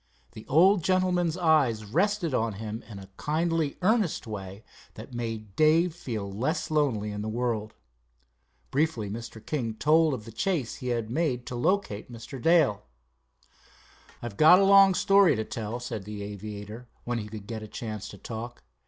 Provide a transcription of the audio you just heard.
The old gentleman's eyes rested on him in a kindly earnest way that made Dave feel less lonely in the world. Briefly Mr. King told of the chase he had made to locate Mr. Dale. "I've got a long story to tell," said the aviator, when he could get a chance to talk.